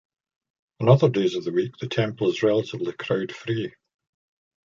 On other days of the week the temple is relatively crowd free.